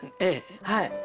はい。